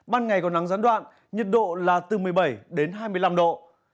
ban ngày còn nắng gián đoạn nhiệt độ là từ một mươi bảy đến hai mươi năm độ